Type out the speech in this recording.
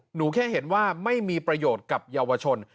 หนูแค่เห็นว่าไม่มีประโยชน์กับเยาวชน